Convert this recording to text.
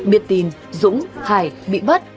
biệt tình dũng hải bị bắt